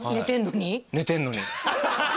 寝てんのに？